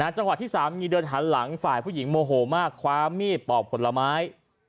จังหวะที่สามีเดินหันหลังฝ่ายผู้หญิงโมโหมากคว้ามีดปอกผลไม้